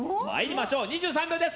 ２３秒です。